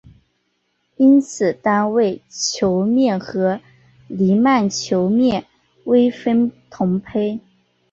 因此单位球面和黎曼球面微分同胚。